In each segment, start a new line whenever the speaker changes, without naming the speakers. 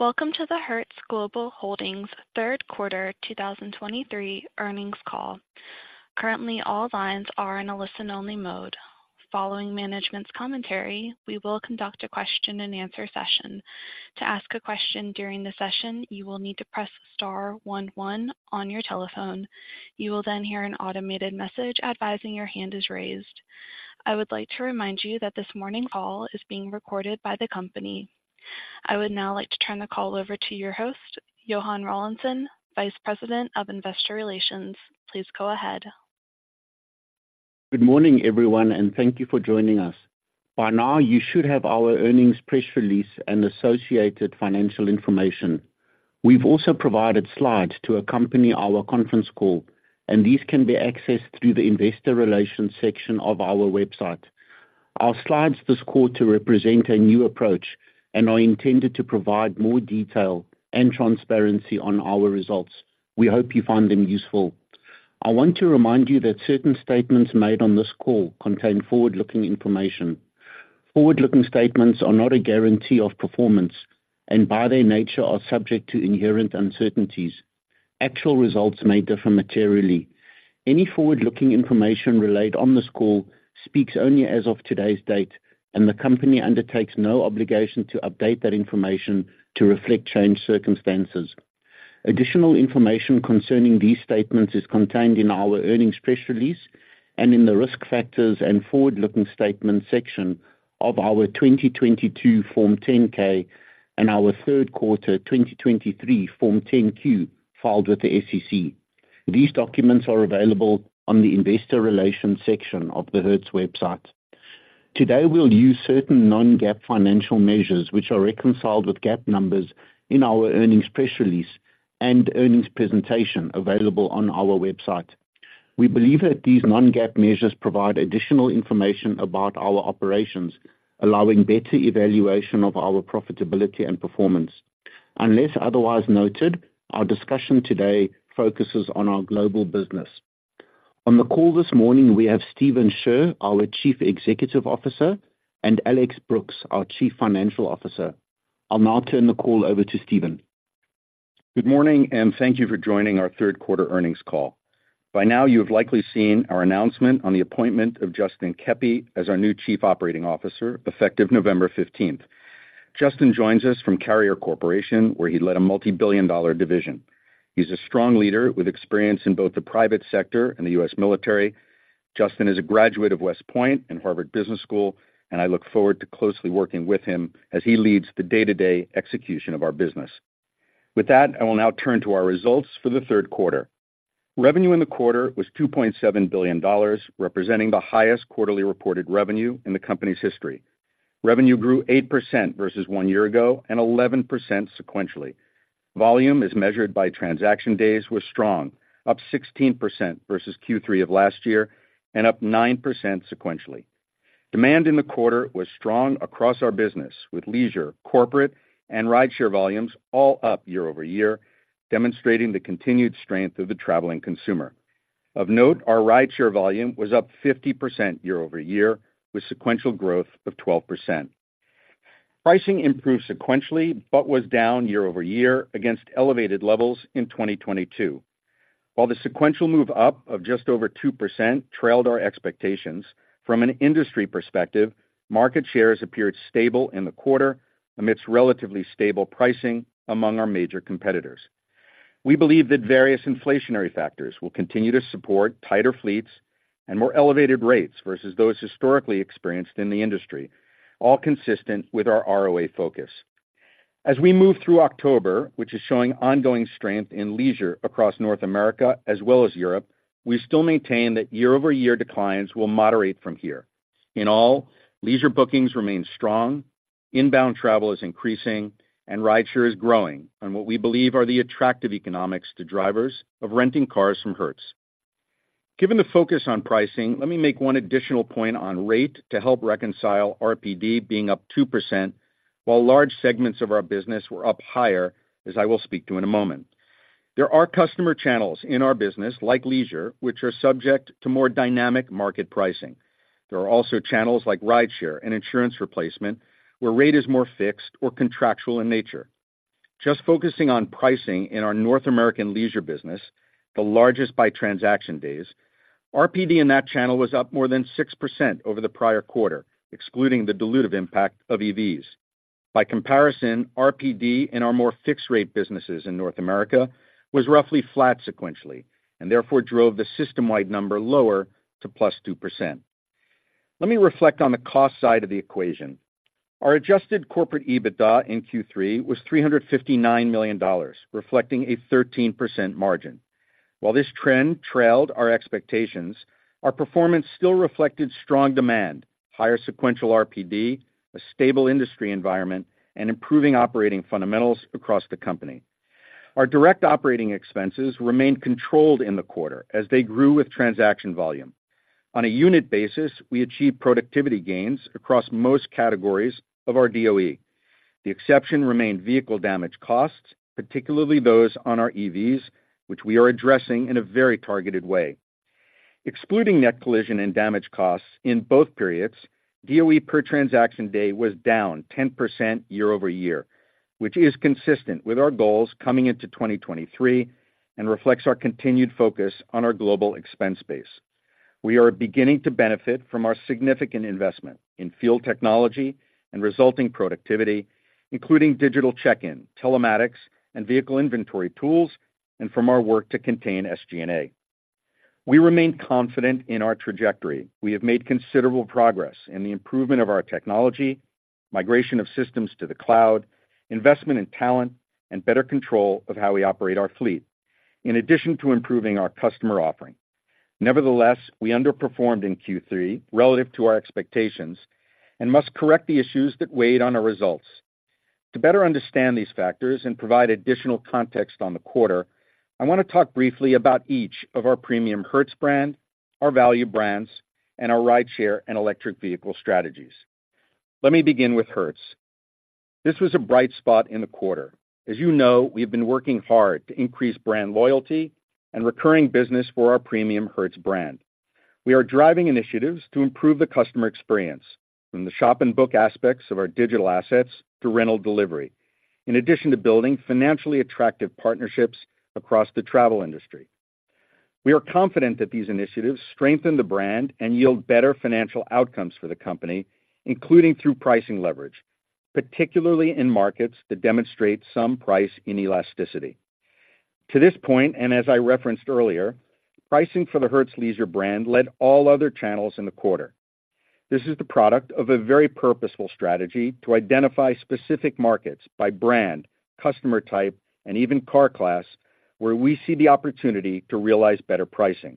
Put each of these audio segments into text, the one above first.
Welcome to the Hertz Global Holdings Third Quarter 2023 Earnings Call. Currently, all lines are in a listen-only mode. Following management's commentary, we will conduct a question-and-answer session. To ask a question during the session, you will need to press star one one on your telephone. You will then hear an automated message advising your hand is raised. I would like to remind you that this morning call is being recorded by the company. I would now like to turn the call over to your host, Johann Rawlinson, Vice President of Investor Relations. Please go ahead.
Good morning, everyone, and thank you for joining us. By now, you should have our earnings press release and associated financial information. We've also provided slides to accompany our conference call, and these can be accessed through the Investor Relations section of our website. Our slides this quarter represent a new approach and are intended to provide more detail and transparency on our results. We hope you find them useful. I want to remind you that certain statements made on this call contain forward-looking information. Forward-looking statements are not a guarantee of performance and, by their nature, are subject to inherent uncertainties. Actual results may differ materially. Any forward-looking information relayed on this call speaks only as of today's date, and the company undertakes no obligation to update that information to reflect changed circumstances. Additional information concerning these statements is contained in our earnings press release and in the Risk Factors and Forward-Looking Statements section of our 2022 Form 10-K and our third quarter 2023 Form 10-Q filed with the SEC. These documents are available on the Investor Relations section of the Hertz website. Today, we'll use certain non-GAAP financial measures, which are reconciled with GAAP numbers in our earnings press release and earnings presentation available on our website. We believe that these non-GAAP measures provide additional information about our operations, allowing better evaluation of our profitability and performance. Unless otherwise noted, our discussion today focuses on our global business. On the call this morning, we have Stephen Scherr, our Chief Executive Officer, and Alex Brooks, our Chief Financial Officer. I'll now turn the call over to Stephen.
Good morning, and thank you for joining our third quarter earnings call. By now, you have likely seen our announcement on the appointment of Justin Keppy as our new Chief Operating Officer, effective November fifteenth. Justin joins us from Carrier Corporation, where he led a multi-billion dollar division. He's a strong leader with experience in both the private sector and the U.S. military. Justin is a graduate of West Point and Harvard Business School, and I look forward to closely working with him as he leads the day-to-day execution of our business. With that, I will now turn to our results for the third quarter. Revenue in the quarter was $2.7 billion, representing the highest quarterly reported revenue in the company's history. Revenue grew 8% versus one year ago and 11% sequentially. Volume, as measured by transaction days, was strong, up 16% versus Q3 of last year and up 9% sequentially. Demand in the quarter was strong across our business, with leisure, corporate and rideshare volumes all up year-over-year, demonstrating the continued strength of the traveling consumer. Of note, our rideshare volume was up 50% year-over-year, with sequential growth of 12%. Pricing improved sequentially but was down year-over-year against elevated levels in 2022. While the sequential move up of just over 2% trailed our expectations, from an industry perspective, market share has appeared stable in the quarter amidst relatively stable pricing among our major competitors. We believe that various inflationary factors will continue to support tighter fleets and more elevated rates versus those historically experienced in the industry, all consistent with our ROA focus. As we move through October, which is showing ongoing strength in leisure across North America as well as Europe, we still maintain that year-over-year declines will moderate from here. In all, leisure bookings remain strong, inbound travel is increasing, and rideshare is growing on what we believe are the attractive economics to drivers of renting cars from Hertz. Given the focus on pricing, let me make one additional point on rate to help reconcile RPD being up 2%, while large segments of our business were up higher, as I will speak to in a moment. There are customer channels in our business, like leisure, which are subject to more dynamic market pricing. There are also channels like rideshare and insurance replacement, where rate is more fixed or contractual in nature. Just focusing on pricing in our North American leisure business, the largest by transaction days, RPD in that channel was up more than 6% over the prior quarter, excluding the dilutive impact of EVs. By comparison, RPD in our more fixed-rate businesses in North America was roughly flat sequentially and therefore drove the system-wide number lower to +2%. Let me reflect on the cost side of the equation. Our adjusted corporate EBITDA in Q3 was $359 million, reflecting a 13% margin. While this trend trailed our expectations, our performance still reflected strong demand, higher sequential RPD, a stable industry environment, and improving operating fundamentals across the company. Our direct operating expenses remained controlled in the quarter as they grew with transaction volume. On a unit basis, we achieved productivity gains across most categories of our DOE. The exception remained vehicle damage costs, particularly those on our EVs, which we are addressing in a very targeted way. Excluding net collision and damage costs in both periods, DOE per transaction day was down 10% year-over-year, which is consistent with our goals coming into 2023 and reflects our continued focus on our global expense base. We are beginning to benefit from our significant investment in field technology and resulting productivity, including digital check-in, telematics, and vehicle inventory tools, and from our work to contain SG&A. We remain confident in our trajectory. We have made considerable progress in the improvement of our technology, migration of systems to the cloud, investment in talent, and better control of how we operate our fleet, in addition to improving our customer offering. Nevertheless, we underperformed in Q3 relative to our expectations and must correct the issues that weighed on our results. To better understand these factors and provide additional context on the quarter, I want to talk briefly about each of our premium Hertz brand, our value brands, and our rideshare and electric vehicle strategies. Let me begin with Hertz. This was a bright spot in the quarter. As you know, we have been working hard to increase brand loyalty and recurring business for our premium Hertz brand. We are driving initiatives to improve the customer experience from the shop and book aspects of our digital assets to rental delivery, in addition to building financially attractive partnerships across the travel industry. We are confident that these initiatives strengthen the brand and yield better financial outcomes for the company, including through pricing leverage, particularly in markets that demonstrate some price inelasticity. To this point, and as I referenced earlier, pricing for the Hertz Leisure brand led all other channels in the quarter. This is the product of a very purposeful strategy to identify specific markets by brand, customer type, and even car class, where we see the opportunity to realize better pricing.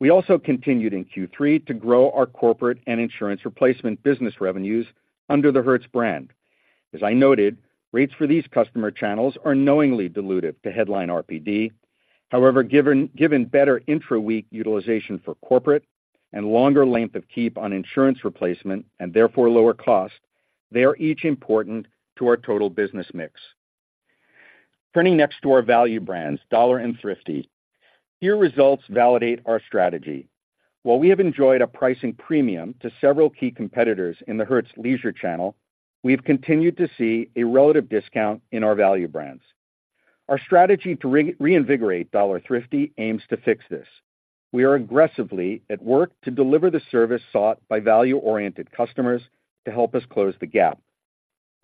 We also continued in Q3 to grow our corporate and insurance replacement business revenues under the Hertz brand. As I noted, rates for these customer channels are knowingly dilutive to headline RPD. However, given better intraweek utilization for corporate and longer length of keep on insurance replacement and therefore lower cost, they are each important to our total business mix. Turning next to our value brands, Dollar and Thrifty, here results validate our strategy. While we have enjoyed a pricing premium to several key competitors in the Hertz Leisure channel, we have continued to see a relative discount in our value brands. Our strategy to reinvigorate Dollar Thrifty aims to fix this. We are aggressively at work to deliver the service sought by value-oriented customers to help us close the gap.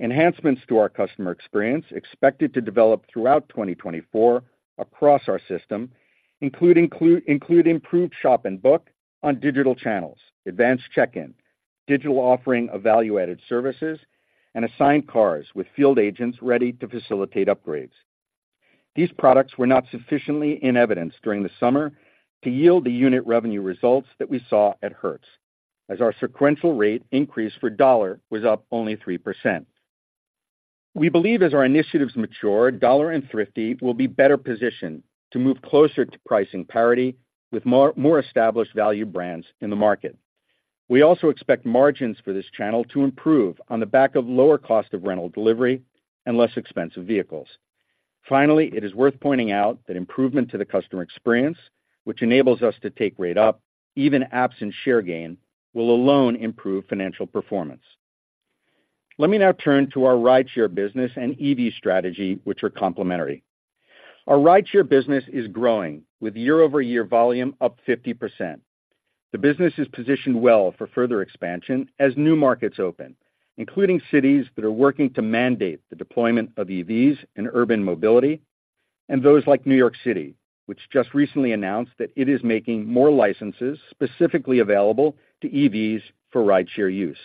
Enhancements to our customer experience, expected to develop throughout 2024 across our system, include improved shop and book on digital channels, advanced check-in, digital offering of value-added services, and assigned cars with field agents ready to facilitate upgrades. These products were not sufficiently in evidence during the summer to yield the unit revenue results that we saw at Hertz, as our sequential rate increase for Dollar was up only 3%. We believe as our initiatives mature, Dollar and Thrifty will be better positioned to move closer to pricing parity with more, more established value brands in the market. We also expect margins for this channel to improve on the back of lower cost of rental delivery and less expensive vehicles. Finally, it is worth pointing out that improvement to the customer experience, which enables us to take rate up, even absent share gain, will alone improve financial performance. Let me now turn to our Rideshare business and EV strategy, which are complementary. Our Rideshare business is growing, with year-over-year volume up 50%. The business is positioned well for further expansion as new markets open, including cities that are working to mandate the deployment of EVs in urban mobility, and those like New York City, which just recently announced that it is making more licenses specifically available to EVs for Rideshare use.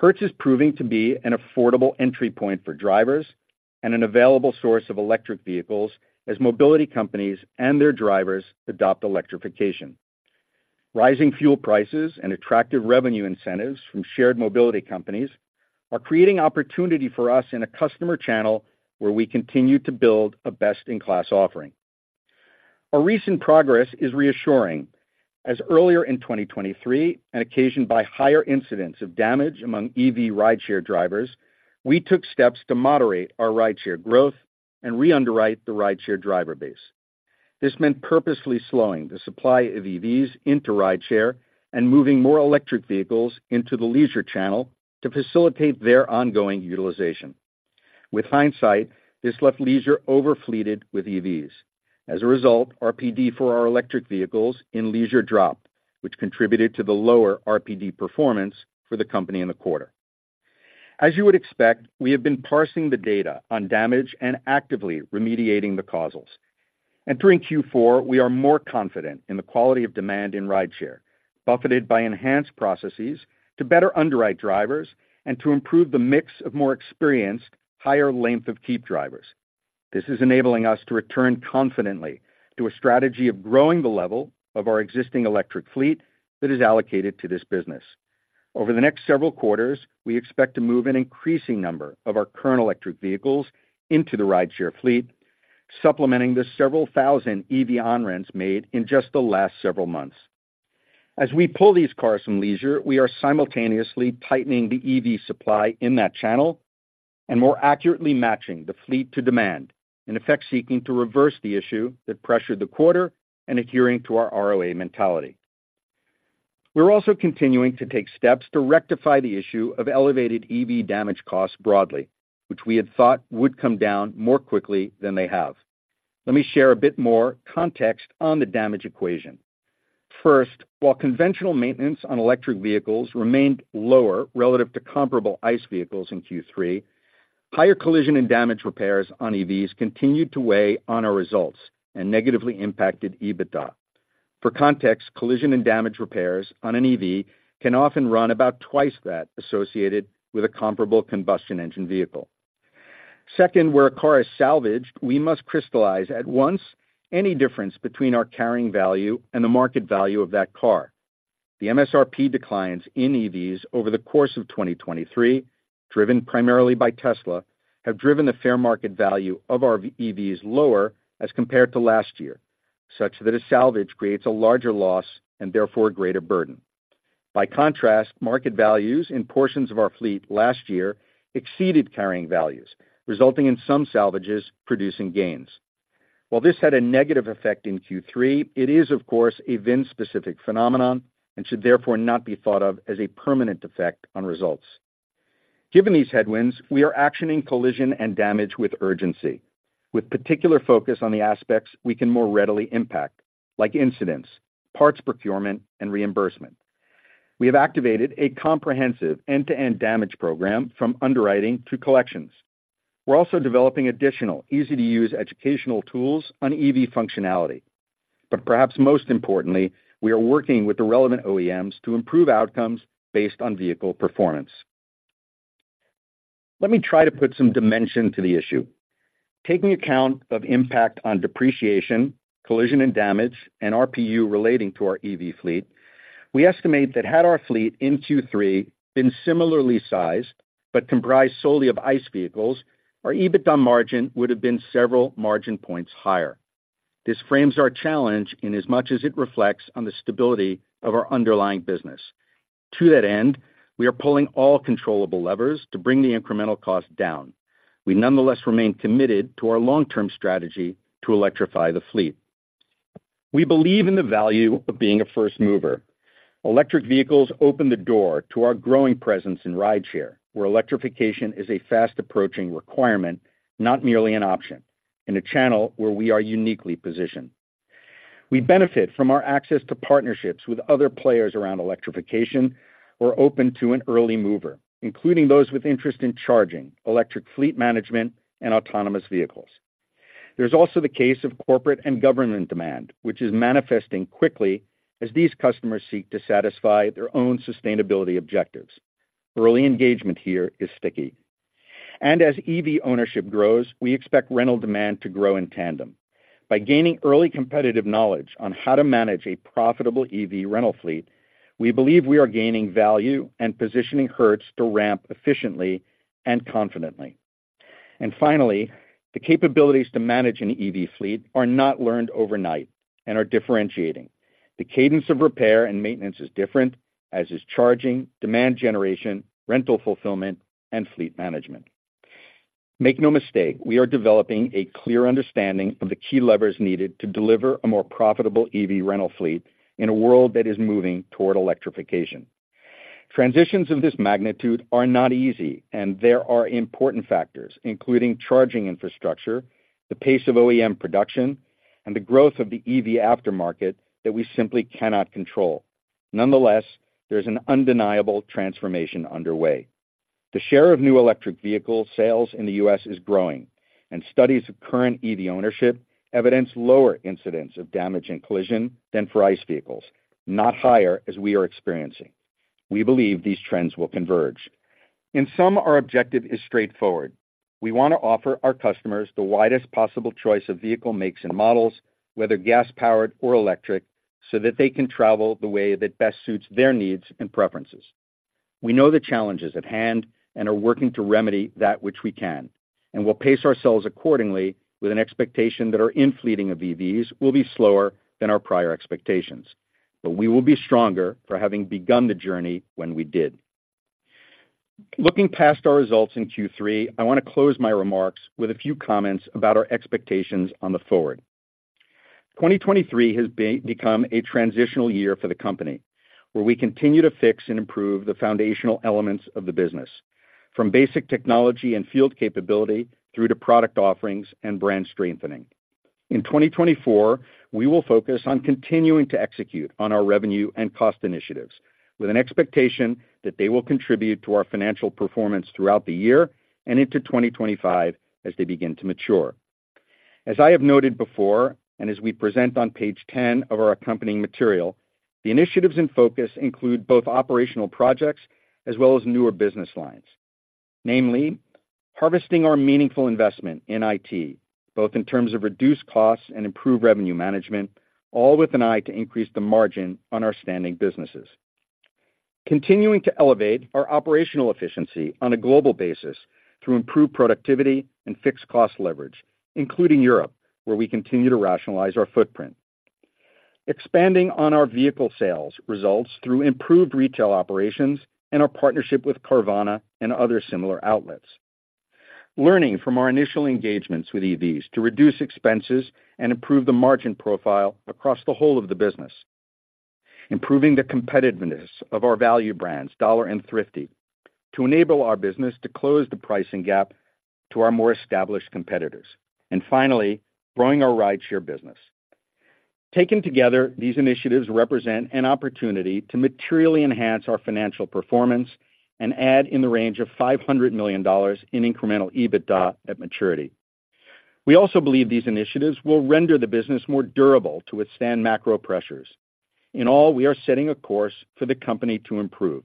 Hertz is proving to be an affordable entry point for drivers and an available source of electric vehicles as mobility companies and their drivers adopt electrification. Rising fuel prices and attractive revenue incentives from shared mobility companies are creating opportunity for us in a customer channel where we continue to build a best-in-class offering. Our recent progress is reassuring, as earlier in 2023, and occasioned by higher incidents of damage among EV Rideshare drivers, we took steps to moderate our Rideshare growth and re-underwrite the Rideshare driver base. This meant purposely slowing the supply of EVs into Rideshare and moving more electric vehicles into the leisure channel to facilitate their ongoing utilization. With hindsight, this left leisure over-fleeted with EVs. As a result, RPD for our electric vehicles in leisure dropped, which contributed to the lower RPD performance for the company in the quarter. As you would expect, we have been parsing the data on damage and actively remediating the causals. Entering Q4, we are more confident in the quality of demand in Rideshare, buffeted by enhanced processes to better underwrite drivers and to improve the mix of more experienced, higher length of keep drivers. This is enabling us to return confidently to a strategy of growing the level of our existing electric fleet that is allocated to this business. Over the next several quarters, we expect to move an increasing number of our current electric vehicles into the rideshare fleet, supplementing the several thousand EV on rents made in just the last several months. As we pull these cars from leisure, we are simultaneously tightening the EV supply in that channel and more accurately matching the fleet to demand, in effect, seeking to reverse the issue that pressured the quarter and adhering to our ROA mentality. We're also continuing to take steps to rectify the issue of elevated EV damage costs broadly, which we had thought would come down more quickly than they have. Let me share a bit more context on the damage equation. First, while conventional maintenance on electric vehicles remained lower relative to comparable ICE vehicles in Q3, higher collision and damage repairs on EVs continued to weigh on our results and negatively impacted EBITDA. For context, collision and damage repairs on an EV can often run about twice that associated with a comparable combustion engine vehicle. Second, where a car is salvaged, we must crystallize at once any difference between our carrying value and the market value of that car. The MSRP declines in EVs over the course of 2023, driven primarily by Tesla, have driven the fair market value of our EVs lower as compared to last year, such that a salvage creates a larger loss and therefore a greater burden. By contrast, market values in portions of our fleet last year exceeded carrying values, resulting in some salvages producing gains. While this had a negative effect in Q3, it is, of course, a VIN-specific phenomenon and should therefore not be thought of as a permanent effect on results. Given these headwinds, we are actioning collision and damage with urgency, with particular focus on the aspects we can more readily impact, like incidents, parts procurement, and reimbursement. We have activated a comprehensive end-to-end damage program from underwriting to collections. We're also developing additional easy-to-use educational tools on EV functionality. But perhaps most importantly, we are working with the relevant OEMs to improve outcomes based on vehicle performance. Let me try to put some dimension to the issue. Taking account of impact on depreciation, collision and damage, and RPU relating to our EV fleet, we estimate that had our fleet in Q3 been similarly sized, but comprised solely of ICE vehicles, our EBITDA margin would have been several margin points higher. This frames our challenge in as much as it reflects on the stability of our underlying business. To that end, we are pulling all controllable levers to bring the incremental cost down. We nonetheless remain committed to our long-term strategy to electrify the fleet. We believe in the value of being a first mover. Electric vehicles open the door to our growing presence in rideshare, where electrification is a fast-approaching requirement, not merely an option, in a channel where we are uniquely positioned. We benefit from our access to partnerships with other players around electrification or open to an early mover, including those with interest in charging, electric fleet management, and autonomous vehicles. There's also the case of corporate and government demand, which is manifesting quickly as these customers seek to satisfy their own sustainability objectives. Early engagement here is sticky. As EV ownership grows, we expect rental demand to grow in tandem. By gaining early competitive knowledge on how to manage a profitable EV rental fleet, we believe we are gaining value and positioning Hertz to ramp efficiently and confidently. Finally, the capabilities to manage an EV fleet are not learned overnight and are differentiating. The cadence of repair and maintenance is different, as is charging, demand generation, rental fulfillment, and fleet management. Make no mistake, we are developing a clear understanding of the key levers needed to deliver a more profitable EV rental fleet in a world that is moving toward electrification. Transitions of this magnitude are not easy, and there are important factors, including charging infrastructure, the pace of OEM production, and the growth of the EV aftermarket that we simply cannot control. Nonetheless, there's an undeniable transformation underway. The share of new electric vehicle sales in the U.S. is growing, and studies of current EV ownership evidence lower incidents of damage and collision than for ICE vehicles, not higher as we are experiencing. We believe these trends will converge. In sum, our objective is straightforward. We want to offer our customers the widest possible choice of vehicle makes and models, whether gas-powered or electric, so that they can travel the way that best suits their needs and preferences. We know the challenges at hand and are working to remedy that which we can, and we'll pace ourselves accordingly with an expectation that our in-fleeting of EVs will be slower than our prior expectations. But we will be stronger for having begun the journey when we did. Looking past our results in Q3, I want to close my remarks with a few comments about our expectations on the forward. 2023 has become a transitional year for the company, where we continue to fix and improve the foundational elements of the business, from basic technology and field capability through to product offerings and brand strengthening. In 2024, we will focus on continuing to execute on our revenue and cost initiatives with an expectation that they will contribute to our financial performance throughout the year and into 2025 as they begin to mature. As I have noted before, and as we present on page 10 of our accompanying material, the initiatives in focus include both operational projects as well as newer business lines. Namely, harvesting our meaningful investment in IT, both in terms of reduced costs and improved revenue management, all with an eye to increase the margin on our standing businesses. Continuing to elevate our operational efficiency on a global basis through improved productivity and fixed cost leverage, including Europe, where we continue to rationalize our footprint. Expanding on our vehicle sales results through improved retail operations and our partnership with Carvana and other similar outlets. Learning from our initial engagements with EVs to reduce expenses and improve the margin profile across the whole of the business. Improving the competitiveness of our value brands, Dollar and Thrifty, to enable our business to close the pricing gap to our more established competitors. And finally, growing our rideshare business. Taken together, these initiatives represent an opportunity to materially enhance our financial performance and add in the range of $500 million in incremental EBITDA at maturity. We also believe these initiatives will render the business more durable to withstand macro pressures. In all, we are setting a course for the company to improve.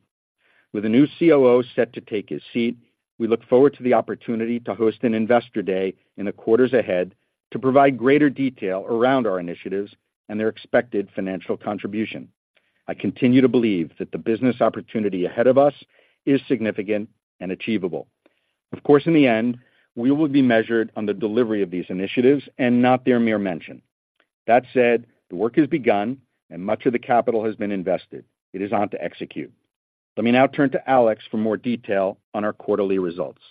With a new COO set to take his seat, we look forward to the opportunity to host an Investor Day in the quarters ahead to provide greater detail around our initiatives and their expected financial contribution. I continue to believe that the business opportunity ahead of us is significant and achievable. Of course, in the end, we will be measured on the delivery of these initiatives and not their mere mention. That said, the work has begun and much of the capital has been invested. It is on to execute. Let me now turn to Alex for more detail on our quarterly results.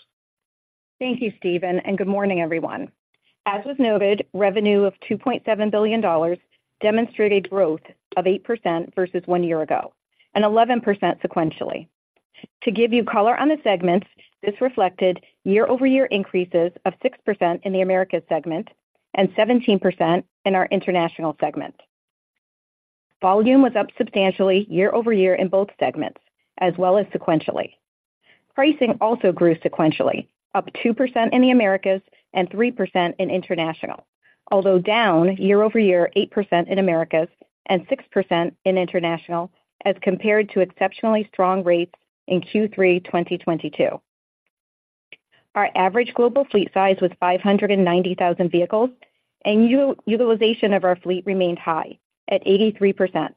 Thank you, Stephen, and good morning, everyone. As was noted, revenue of $2.7 billion demonstrated growth of 8% versus one year ago, and 11% sequentially. To give you color on the segments, this reflected year-over-year increases of 6% in the Americas segment and 17% in our international segment. Volume was up substantially year over year in both segments, as well as sequentially. Pricing also grew sequentially, up 2% in the Americas and 3% in international, although down year over year, 8% in Americas and 6% in international, as compared to exceptionally strong rates in Q3 2022. Our average global fleet size was 590,000 vehicles, and utilization of our fleet remained high at 83%,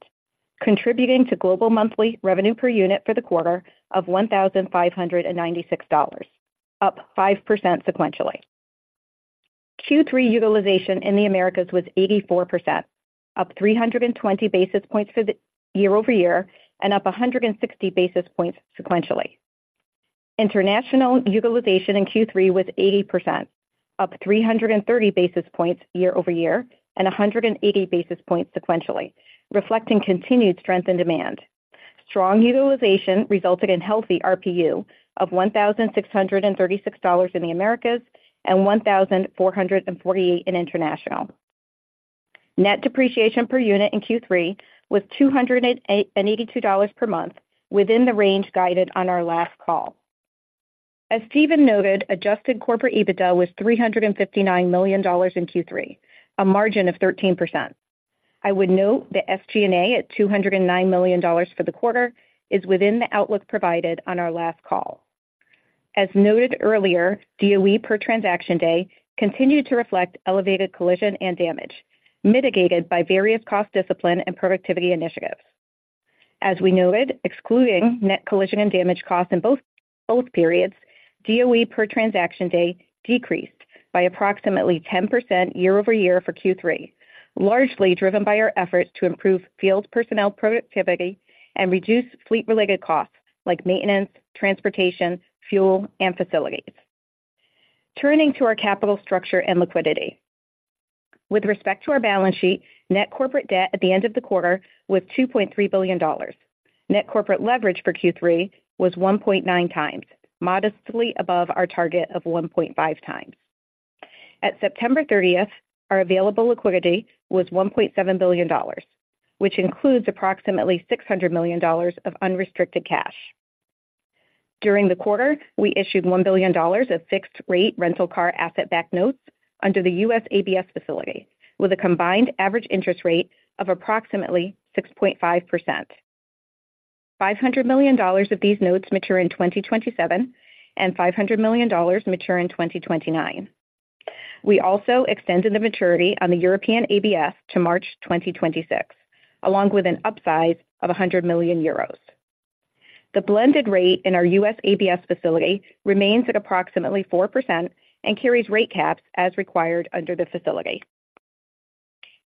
contributing to global monthly revenue per unit for the quarter of $1,596, up 5% sequentially. Q3 utilization in the Americas was 84%, up 320 basis points for the year-over-year, and up 160 basis points sequentially. International utilization in Q3 was 80%, up 330 basis points year-over-year, and 180 basis points sequentially, reflecting continued strength and demand. Strong utilization resulted in healthy RPU of $1,636 in the Americas and $1,448 in international. Net depreciation per unit in Q3 was $282 per month, within the range guided on our last call. As Stephen noted, adjusted corporate EBITDA was $359 million in Q3, a margin of 13%. I would note that SG&A at $209 million for the quarter is within the outlook provided on our last call. As noted earlier, DOE per transaction day continued to reflect elevated collision and damage, mitigated by various cost discipline and productivity initiatives. As we noted, excluding net collision and damage costs in both periods, DOE per transaction day decreased by approximately 10% year-over-year for Q3, largely driven by our efforts to improve field personnel productivity and reduce fleet-related costs like maintenance, transportation, fuel, and facilities. Turning to our capital structure and liquidity. With respect to our balance sheet, net corporate debt at the end of the quarter was $2.3 billion. Net corporate leverage for Q3 was 1.9 times, modestly above our target of 1.5 times. At September 30th, our available liquidity was $1.7 billion, which includes approximately $600 million of unrestricted cash. During the quarter, we issued $1 billion of fixed-rate rental car asset-backed notes under the U.S. ABS facility, with a combined average interest rate of approximately 6.5%. $500 million of these notes mature in 2027, and $500 million mature in 2029. We also extended the maturity on the European ABS to March 2026, along with an upsize of 100 million euros. The blended rate in our U.S. ABS facility remains at approximately 4% and carries rate caps as required under the facility.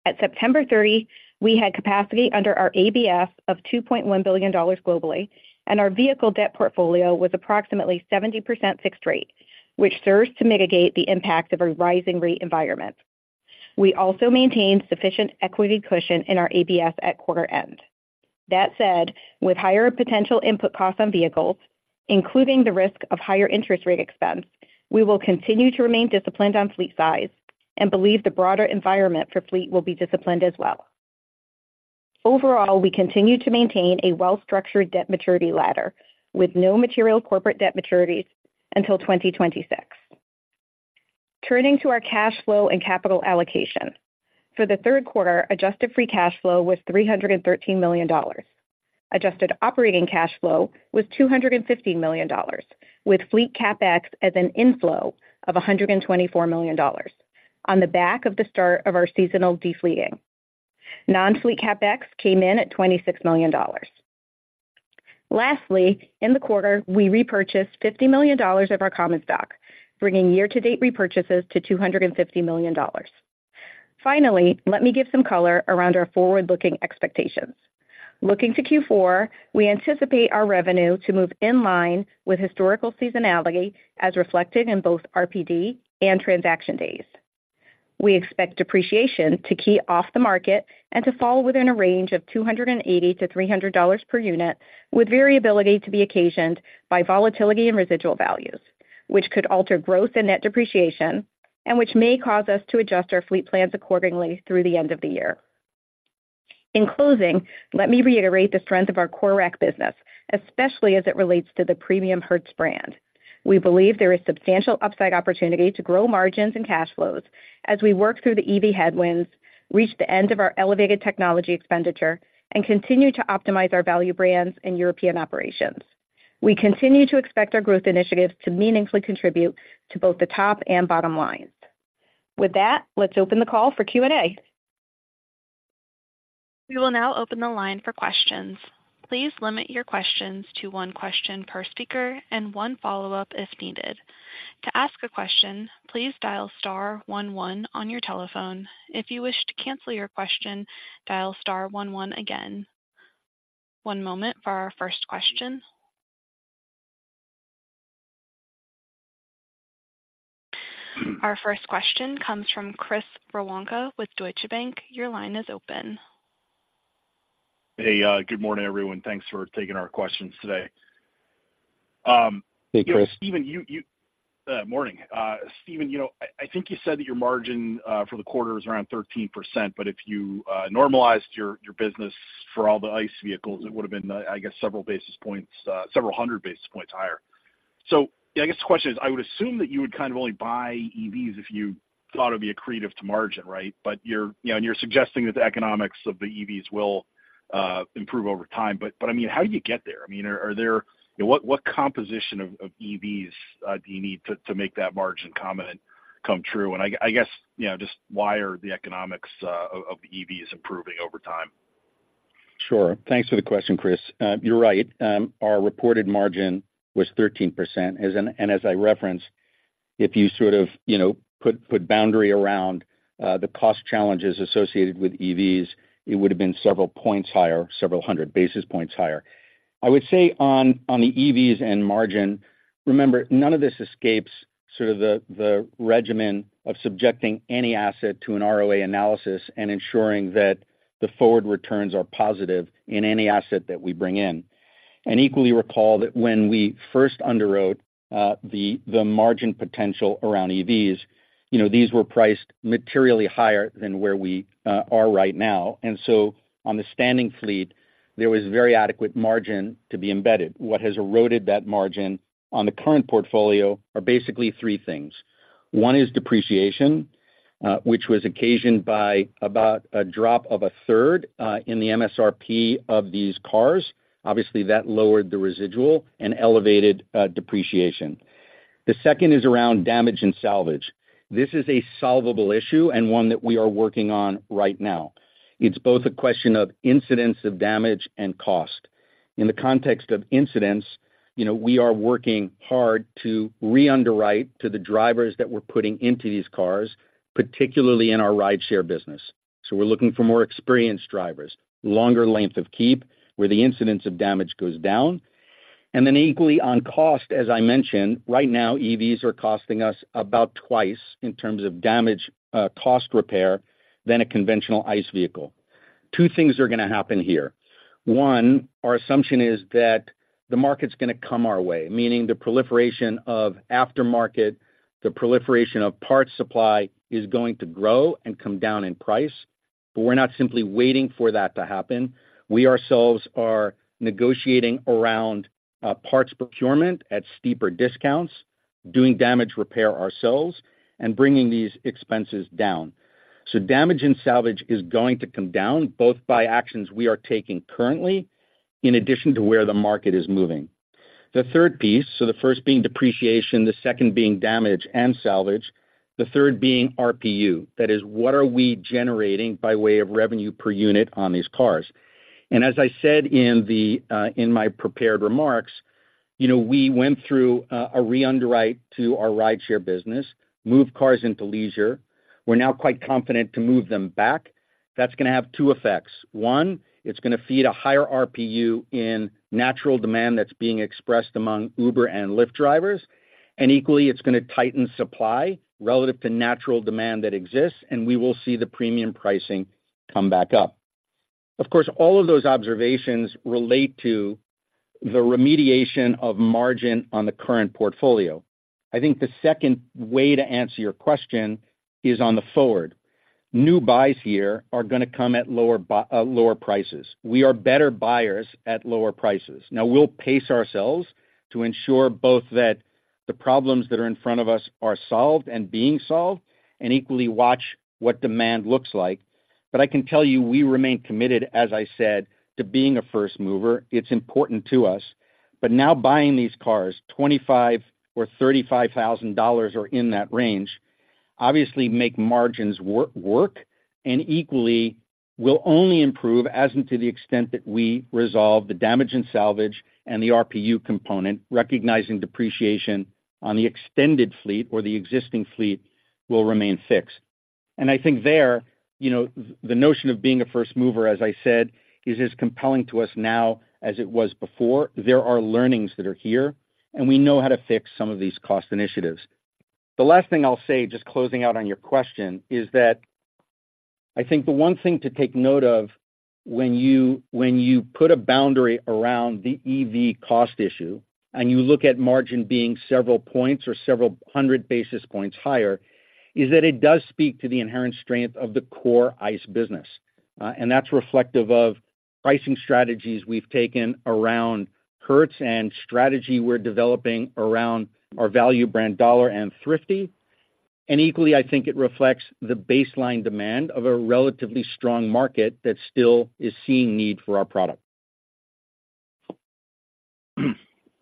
At September 30, we had capacity under our ABS of $2.1 billion globally, and our vehicle debt portfolio was approximately 70% fixed rate, which serves to mitigate the impact of a rising rate environment. We also maintained sufficient equity cushion in our ABS at quarter end. That said, with higher potential input costs on vehicles, including the risk of higher interest rate expense, we will continue to remain disciplined on fleet size and believe the broader environment for fleet will be disciplined as well. Overall, we continue to maintain a well-structured debt maturity ladder with no material corporate debt maturities until 2026. Turning to our cash flow and capital allocation. For the third quarter, adjusted free cash flow was $313 million. Adjusted operating cash flow was $250 million, with fleet CapEx as an inflow of $124 million on the back of the start of our seasonal de-fleeting. Non-fleet CapEx came in at $26 million. Lastly, in the quarter, we repurchased $50 million of our common stock, bringing year-to-date repurchases to $250 million. Finally, let me give some color around our forward-looking expectations. Looking to Q4, we anticipate our revenue to move in line with historical seasonality, as reflected in both RPD and transaction days. We expect depreciation to key off the market and to fall within a range of $280-$300 per unit, with variability to be occasioned by volatility and residual values, which could alter growth and net depreciation and which may cause us to adjust our fleet plans accordingly through the end of the year. In closing, let me reiterate the strength of our Core RAC business, especially as it relates to the premium Hertz brand. We believe there is substantial upside opportunity to grow margins and cash flows as we work through the EV headwinds, reach the end of our elevated technology expenditure, and continue to optimize our value brands in European operations. We continue to expect our growth initiatives to meaningfully contribute to both the top and bottom lines. With that, let's open the call for Q&A.
We will now open the line for questions. Please limit your questions to one question per speaker and one follow-up if needed. To ask a question, please dial star one one on your telephone. If you wish to cancel your question, dial star one one again. One moment for our first question. Our first question comes from Chris Woronka with Deutsche Bank. Your line is open.
Hey, good morning, everyone. Thanks for taking our questions today.
Hey, Chris.
Stephen, morning. Stephen, you know, I think you said that your margin for the quarter is around 13%, but if you normalized your business for all the ICE vehicles, it would have been, I guess, several basis points, several hundred basis points higher. So I guess the question is, I would assume that you would kind of only buy EVs if you thought it would be accretive to margin, right? But you know, you're suggesting that the economics of the EVs will improve over time. But I mean, how do you get there? I mean, are there... What composition of EVs do you need to make that margin comment come true? And I guess, you know, just why are the economics of EVs improving over time?
Sure. Thanks for the question, Chris. You're right. Our reported margin was 13%. As I referenced, if you sort of, you know, put boundary around the cost challenges associated with EVs, it would have been several points higher, several hundred basis points higher. I would say on the EVs and margin, remember, none of this escapes sort of the regimen of subjecting any asset to an ROA analysis and ensuring that the forward returns are positive in any asset that we bring in. And equally, recall that when we first underwrote the margin potential around EVs, you know, these were priced materially higher than where we are right now. And so on the standing fleet, there was very adequate margin to be embedded. What has eroded that margin on the current portfolio are basically three things. One is depreciation, which was occasioned by about a drop of a third in the MSRP of these cars. Obviously, that lowered the residual and elevated depreciation. The second is around damage and salvage. This is a solvable issue and one that we are working on right now. It's both a question of incidence of damage and cost. In the context of incidents, you know, we are working hard to re-underwrite to the drivers that we're putting into these cars, particularly in our rideshare business. So we're looking for more experienced drivers, longer length of keep, where the incidence of damage goes down. And then equally on cost, as I mentioned, right now, EVs are costing us about twice in terms of damage cost repair than a conventional ICE vehicle. Two things are gonna happen here. One, our assumption is that the market's gonna come our way, meaning the proliferation of aftermarket, the proliferation of parts supply is going to grow and come down in price. But we're not simply waiting for that to happen. We ourselves are negotiating around, parts procurement at steeper discounts, doing damage repair ourselves, and bringing these expenses down. So damage and salvage is going to come down, both by actions we are taking currently, in addition to where the market is moving. The third piece, so the first being depreciation, the second being damage and salvage, the third being RPU. That is, what are we generating by way of revenue per unit on these cars? And as I said in the, in my prepared remarks, you know, we went through, a re-underwrite to our rideshare business, moved cars into leisure. We're now quite confident to move them back. That's gonna have two effects. One, it's gonna feed a higher RPU in natural demand that's being expressed among Uber and Lyft drivers, and equally, it's gonna tighten supply relative to natural demand that exists, and we will see the premium pricing come back up. Of course, all of those observations relate to the remediation of margin on the current portfolio. I think the second way to answer your question is on the forward. New buys here are gonna come at lower prices. We are better buyers at lower prices. Now, we'll pace ourselves to ensure both that the problems that are in front of us are solved and being solved, and equally watch what demand looks like. But I can tell you, we remain committed, as I said, to being a first mover. It's important to us. But now buying these cars, $25,000-$35,000 or in that range obviously make margins work, and equally will only improve as and to the extent that we resolve the damage and salvage and the RPU component, recognizing depreciation on the extended fleet or the existing fleet will remain fixed. And I think there, you know, the notion of being a first mover, as I said, is as compelling to us now as it was before. There are learnings that are here, and we know how to fix some of these cost initiatives. The last thing I'll say, just closing out on your question, is that I think the one thing to take note of when you, when you put a boundary around the EV cost issue and you look at margin being several points or several hundred basis points higher, is that it does speak to the inherent strength of the core ICE business. And that's reflective of pricing strategies we've taken around Hertz and strategy we're developing around our value brand, Dollar and Thrifty. And equally, I think it reflects the baseline demand of a relatively strong market that still is seeing need for our product.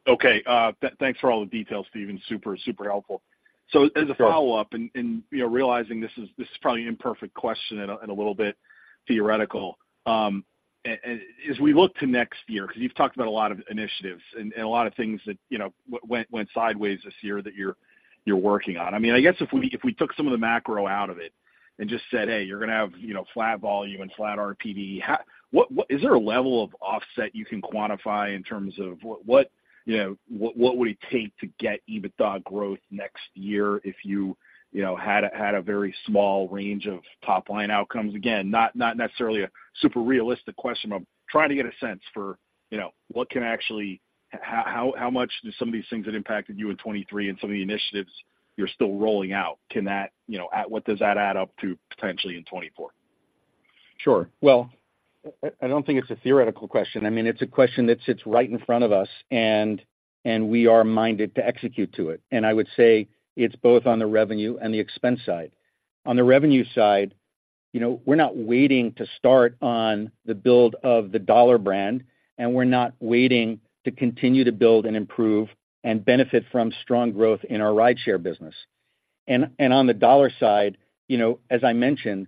Okay. Thanks for all the details, Steven. Super, super helpful. So as a follow-up-
Sure.
and, you know, realizing this is probably an imperfect question and a little bit theoretical. As we look to next year, because you've talked about a lot of initiatives and a lot of things that, you know, went sideways this year that you're working on. I mean, I guess if we took some of the macro out of it and just said, "Hey, you're gonna have, you know, flat volume and flat RPD," how... what... Is there a level of offset you can quantify in terms of what, you know, what would it take to get EBITDA growth next year if you, you know, had a very small range of top-line outcomes? Again, not necessarily a super realistic question, but trying to get a sense for, you know, what can actually... How much do some of these things that impacted you in 2023 and some of the initiatives you're still rolling out, can that, you know, what does that add up to potentially in 2024?
Sure. Well, I don't think it's a theoretical question. I mean, it's a question that sits right in front of us, and we are minded to execute to it. And I would say it's both on the revenue and the expense side. On the revenue side, you know, we're not waiting to start on the build of the Dollar brand, and we're not waiting to continue to build and improve and benefit from strong growth in our rideshare business. And on the Dollar side, you know, as I mentioned,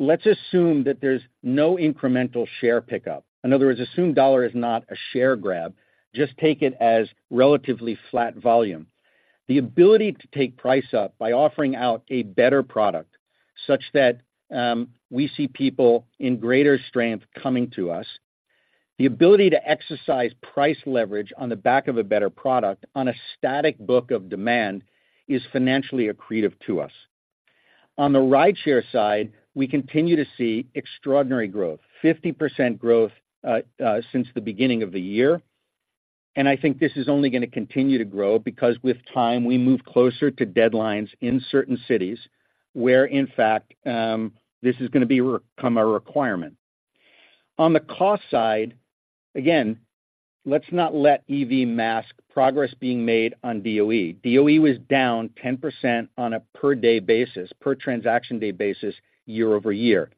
let's assume that there's no incremental share pickup. In other words, assume Dollar is not a share grab. Just take it as relatively flat volume. The ability to take price up by offering out a better product, such that we see people in greater strength coming to us, the ability to exercise price leverage on the back of a better product on a static book of demand is financially accretive to us. On the rideshare side, we continue to see extraordinary growth, 50% growth, since the beginning of the year. And I think this is only gonna continue to grow because with time, we move closer to deadlines in certain cities where, in fact, this is gonna become a requirement. On the cost side, again, let's not let EV mask progress being made on DOE. DOE was down 10% on a per-day basis, per transaction day basis, year-over-year.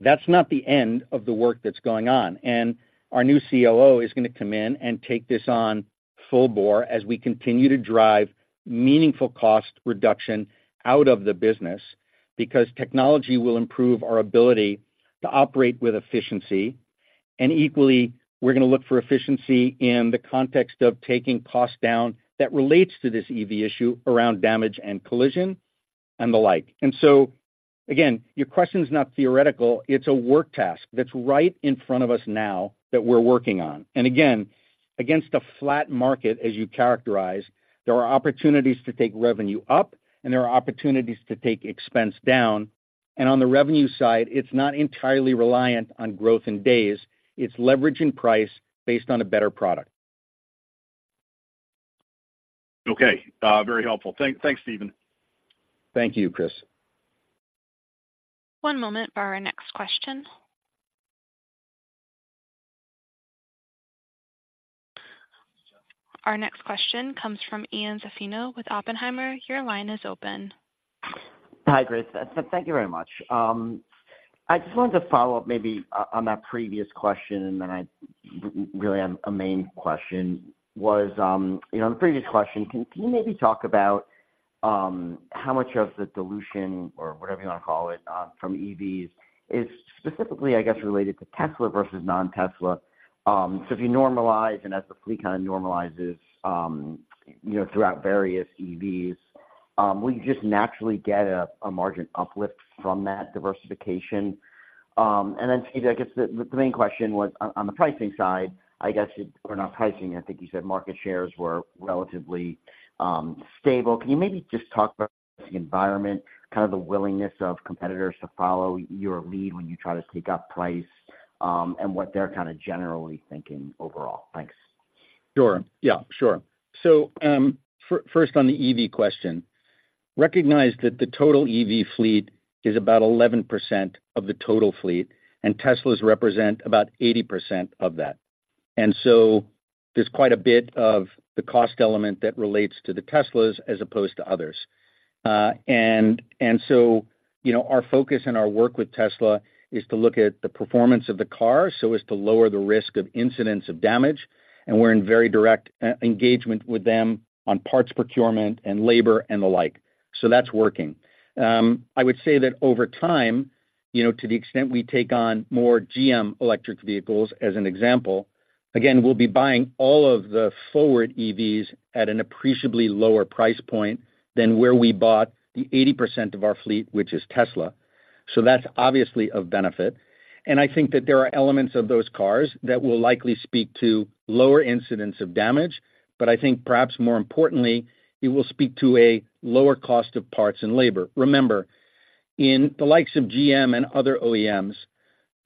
That's not the end of the work that's going on, and our new COO is gonna come in and take this on full bore as we continue to drive meaningful cost reduction out of the business, because technology will improve our ability to operate with efficiency. Equally, we're gonna look for efficiency in the context of taking costs down that relates to this EV issue around damage and collision and the like. So, again, your question's not theoretical, it's a work task that's right in front of us now that we're working on. Again, against a flat market, as you characterize, there are opportunities to take revenue up, and there are opportunities to take expense down. On the revenue side, it's not entirely reliant on growth in days. It's leverage in price based on a better product.
Okay, very helpful. Thanks, Steven.
Thank you, Chris.
One moment for our next question. Our next question comes from Ian Zaffino with Oppenheimer. Your line is open.
Hi, great. Thank you very much. I just wanted to follow up maybe on that previous question, and then I really, a main question, was, you know, on the previous question, can you maybe talk about how much of the dilution or whatever you wanna call it from EVs is specifically, I guess, related to Tesla versus non-Tesla? So if you normalize and as the fleet kind of normalizes, you know, throughout various EVs, will you just naturally get a margin uplift from that diversification? And then, Stephen, I guess the main question was on the pricing side, I guess, or not pricing, I think you said market shares were relatively stable. Can you maybe just talk about the environment, kind of the willingness of competitors to follow your lead when you try to take up price, and what they're kind of generally thinking overall? Thanks.
Sure. Yeah, sure. So, first, on the EV question, recognize that the total EV fleet is about 11% of the total fleet, and Teslas represent about 80% of that. And so there's quite a bit of the cost element that relates to the Teslas as opposed to others. And so you know, our focus and our work with Tesla is to look at the performance of the car so as to lower the risk of incidents of damage, and we're in very direct engagement with them on parts procurement and labor and the like. So that's working. I would say that over time, you know, to the extent we take on more GM electric vehicles, as an example, again, we'll be buying all of the forward EVs at an appreciably lower price point than where we bought the 80% of our fleet, which is Tesla. So that's obviously of benefit. And I think that there are elements of those cars that will likely speak to lower incidents of damage, but I think perhaps more importantly, it will speak to a lower cost of parts and labor. Remember, in the likes of GM and other OEMs,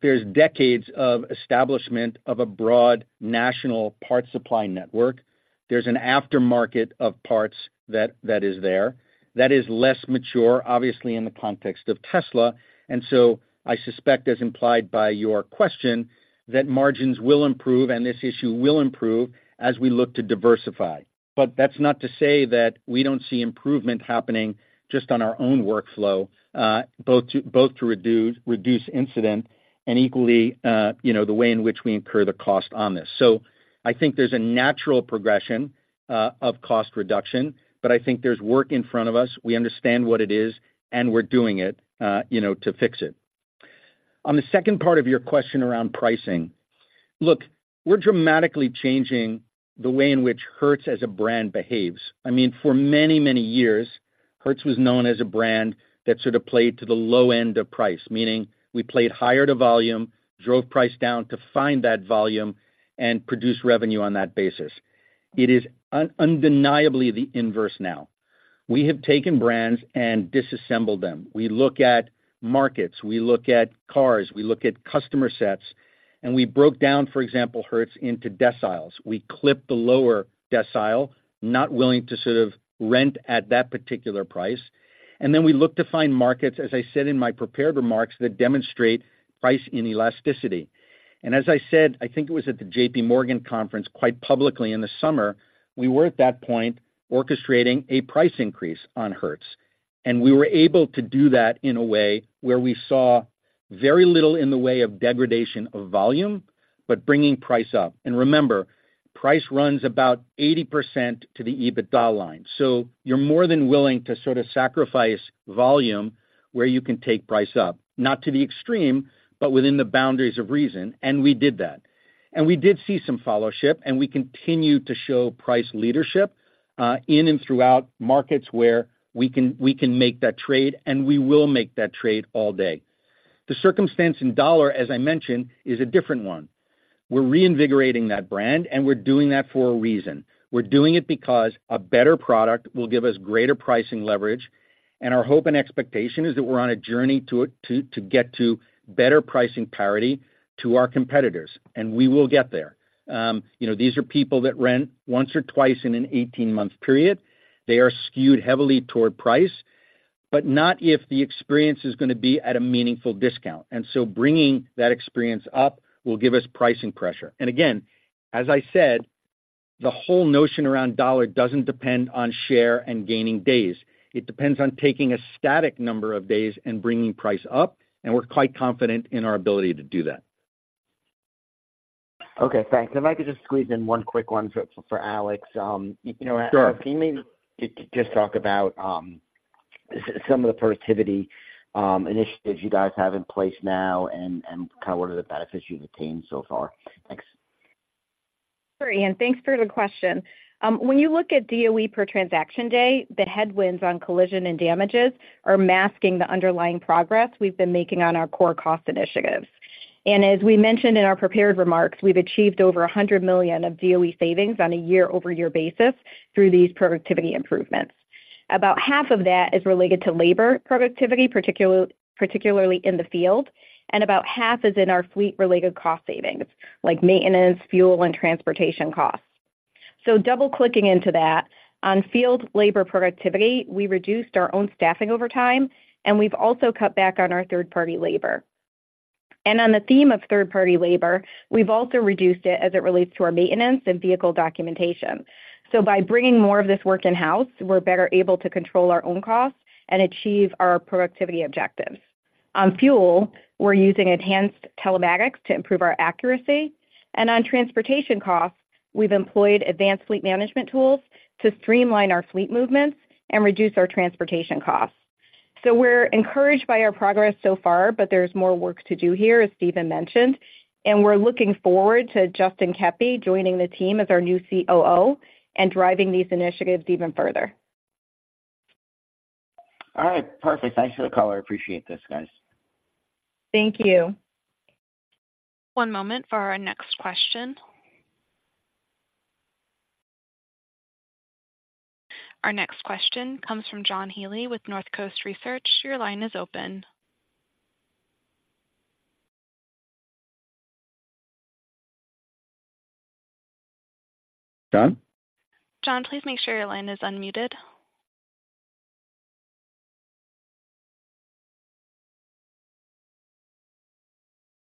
there's decades of establishment of a broad national parts supply network. There's an aftermarket of parts that, that is there. That is less mature, obviously, in the context of Tesla, and so I suspect, as implied by your question, that margins will improve and this issue will improve as we look to diversify. But that's not to say that we don't see improvement happening just on our own workflow, both to reduce incident and equally, you know, the way in which we incur the cost on this. So I think there's a natural progression of cost reduction, but I think there's work in front of us. We understand what it is, and we're doing it, you know, to fix it. On the second part of your question around pricing, look, we're dramatically changing the way in which Hertz as a brand behaves. I mean, for many, many years, Hertz was known as a brand that sort of played to the low end of price, meaning we played higher to volume, drove price down to find that volume, and produced revenue on that basis. It is undeniably the inverse now. We have taken brands and disassembled them. We look at markets, we look at cars, we look at customer sets, and we broke down, for example, Hertz into deciles. We clipped the lower decile, not willing to sort of rent at that particular price, and then we looked to find markets, as I said in my prepared remarks, that demonstrate price inelasticity. And as I said, I think it was at the JP Morgan conference, quite publicly in the summer, we were, at that point, orchestrating a price increase on Hertz. We were able to do that in a way where we saw very little in the way of degradation of volume, but bringing price up. Remember, price runs about 80% to the EBITDA line. So you're more than willing to sort of sacrifice volume where you can take price up, not to the extreme, but within the boundaries of reason, and we did that. We did see some followship, and we continue to show price leadership in and throughout markets where we can make that trade, and we will make that trade all day. The circumstance in Dollar, as I mentioned, is a different one. We're reinvigorating that brand, and we're doing that for a reason. We're doing it because a better product will give us greater pricing leverage, and our hope and expectation is that we're on a journey to get to better pricing parity to our competitors, and we will get there. You know, these are people that rent once or twice in an 18-month period. They are skewed heavily toward price, but not if the experience is gonna be at a meaningful discount. And so bringing that experience up will give us pricing pressure. And again, as I said, the whole notion around Dollar doesn't depend on share and gaining days. It depends on taking a static number of days and bringing price up, and we're quite confident in our ability to do that.
Okay, thanks. If I could just squeeze in one quick one for, for Alex. You know-
Sure.
If you may just talk about some of the productivity initiatives you guys have in place now and kind of what are the benefits you've attained so far? Thanks.
Sure, Ian. Thanks for the question. When you look at DOE per transaction day, the headwinds on collision and damages are masking the underlying progress we've been making on our core cost initiatives. And as we mentioned in our prepared remarks, we've achieved over $100 million of DOE savings on a year-over-year basis through these productivity improvements. About half of that is related to labor productivity, particularly in the field, and about half is in our fleet-related cost savings, like maintenance, fuel, and transportation costs. So double-clicking into that, on field labor productivity, we reduced our own staffing over time, and we've also cut back on our third-party labor. And on the theme of third-party labor, we've also reduced it as it relates to our maintenance and vehicle documentation. So by bringing more of this work in-house, we're better able to control our own costs and achieve our productivity objectives. On fuel, we're using enhanced telematics to improve our accuracy, and on transportation costs, we've employed advanced fleet management tools to streamline our fleet movements and reduce our transportation costs. So we're encouraged by our progress so far, but there's more work to do here, as Steven mentioned, and we're looking forward to Justin Keppy joining the team as our new COO and driving these initiatives even further.
All right, perfect. Thanks for the call. I appreciate this, guys.
Thank you.
One moment for our next question. Our next question comes from John Healy with North Coast Research. Your line is open.
John?
John, please make sure your line is unmuted.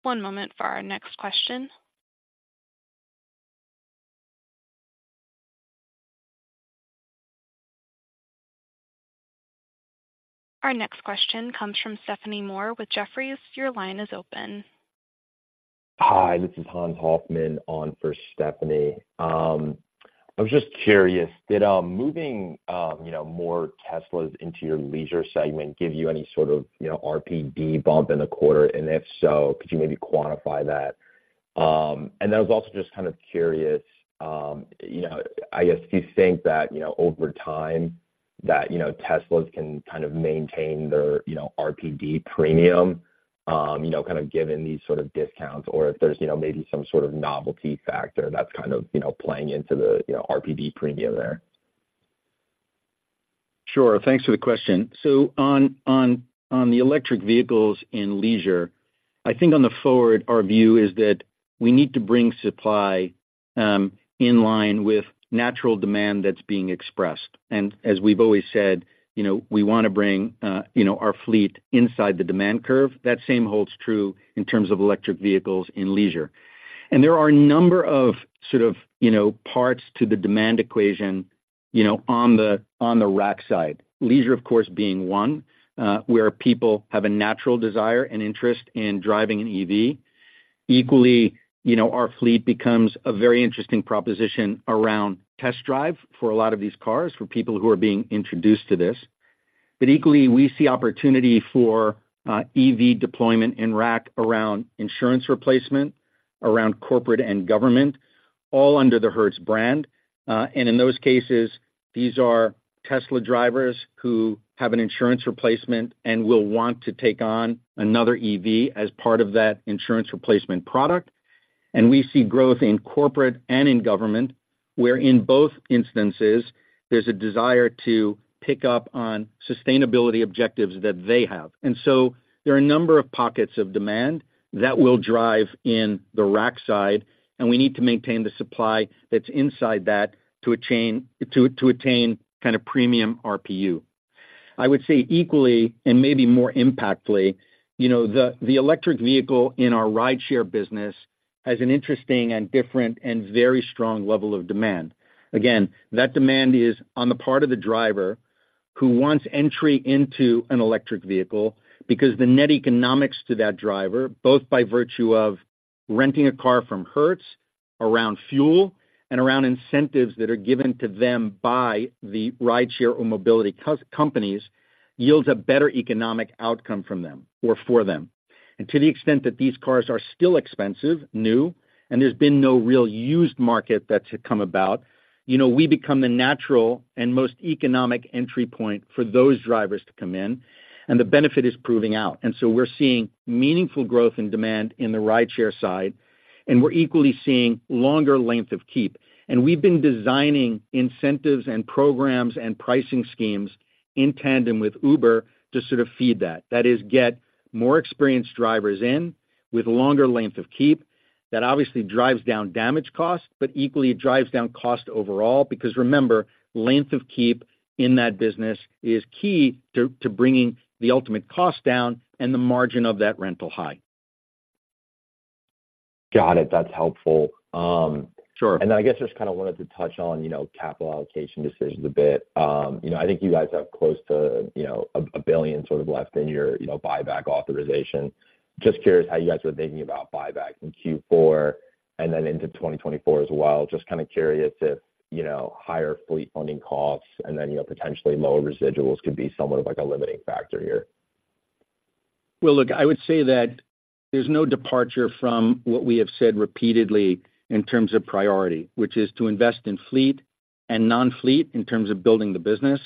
One moment for our next question. Our next question comes from Stephanie Moore with Jefferies. Your line is open.
Hi, this is Hans Hoffman on for Stephanie. I was just curious, did moving you know more Teslas into your leisure segment give you any sort of, you know, RPD bump in the quarter? And if so, could you maybe quantify that? I was also just kind of curious, you know, I guess, do you think that, you know, over time that, you know, Teslas can kind of maintain their, you know, RPD premium, you know, kind of given these sort of discounts or if there's, you know, maybe some sort of novelty factor that's kind of, you know, playing into the, you know, RPD premium there?
Sure. Thanks for the question. So on the electric vehicles in leisure, I think on the forward, our view is that we need to bring supply in line with natural demand that's being expressed. And as we've always said, you know, we want to bring you know, our fleet inside the demand curve. That same holds true in terms of electric vehicles in leisure. And there are a number of sort of, you know, parts to the demand equation, you know, on the RAC side. Leisure, of course, being one, where people have a natural desire and interest in driving an EV. Equally, you know, our fleet becomes a very interesting proposition around test drive for a lot of these cars, for people who are being introduced to this. But equally, we see opportunity for EV deployment in RAC around insurance replacement, around corporate and government, all under the Hertz brand. And in those cases, these are Tesla drivers who have an insurance replacement and will want to take on another EV as part of that insurance replacement product. And we see growth in corporate and in government, where in both instances there's a desire to pick up on sustainability objectives that they have. And so there are a number of pockets of demand that will drive in the RAC side, and we need to maintain the supply that's inside that to attain kind of premium RPU. I would say equally, and maybe more impactfully, you know, the electric vehicle in our rideshare business has an interesting and different and very strong level of demand. Again, that demand is on the part of the driver who wants entry into an electric vehicle because the net economics to that driver, both by virtue of renting a car from Hertz, around fuel and around incentives that are given to them by the rideshare or mobility companies, yields a better economic outcome from them or for them. And to the extent that these cars are still expensive, new, and there's been no real used market that's come about, you know, we become the natural and most economic entry point for those drivers to come in, and the benefit is proving out. And so we're seeing meaningful growth in demand in the rideshare side, and we're equally seeing longer length of keep. And we've been designing incentives and programs and pricing schemes in tandem with Uber to sort of feed that. That is, get more experienced drivers in with longer length of keep. That obviously drives down damage costs, but equally it drives down cost overall, because remember, length of keep in that business is key to bringing the ultimate cost down and the margin of that rental high.
Got it. That's helpful.
Sure.
And then I guess just kind of wanted to touch on, you know, capital allocation decisions a bit. You know, I think you guys have close to, you know, $1 billion sort of left in your, you know, buyback authorization. Just curious how you guys are thinking about buyback in Q4 and then into 2024 as well. Just kind of curious if, you know, higher fleet owning costs and then, you know, potentially lower residuals could be somewhat of a limiting factor here.
Well, look, I would say that there's no departure from what we have said repeatedly in terms of priority, which is to invest in fleet and non-fleet in terms of building the business